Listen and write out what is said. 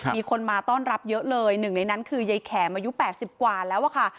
มีคนมาต้อนรับเยอะเลยหนึ่งในนั้นคือยายแขมอายุ๘๐กว่าแล้วอะค่ะ